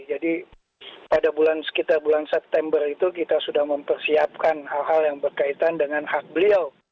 jadi pada sekitar bulan september itu kita sudah mempersiapkan hal hal yang berkaitan dengan hak beliau